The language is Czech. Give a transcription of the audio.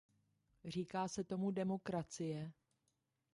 Říká se tomu demokracie.